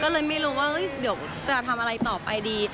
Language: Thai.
ก็เลยไม่รู้ว่าเดี๋ยวจะทำอะไรต่อไปดี